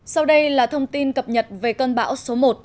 sau đây là thông tin cập nhật về cơn bão số một